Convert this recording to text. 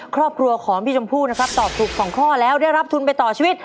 ครอบครัวของพี่จำพูตอบถูกของข้อแล้วได้รับทุนไปต่อชีวิต